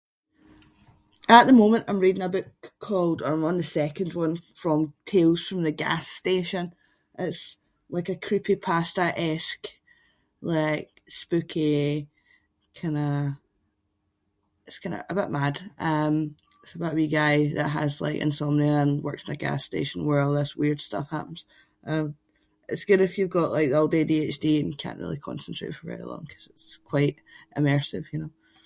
At the moment I’m reading a book called or I’m on the second one from Tales from the Gas Station. It’s like a creepypasta-esque like spooky kind of- it’s kind of a bit mad. Um it’s about a wee guy that has like insomnia and works in a gas station where all this weird stuff happens. Um it’s good if you’ve got like the auld ADHD and you can’t really concentrate for very long ‘cause it’s quite immersive, you know.